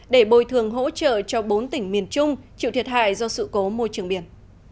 để bồi thường hỗ trợ cho bốn tỉnh miền trung chịu thiệt hại do sự cố môi trường biển